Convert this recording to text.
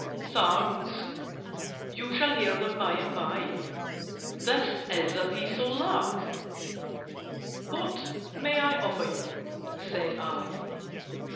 "Thanks! You shall hear them by and by. This is a piece of luck!" "What may I offer you?" said I.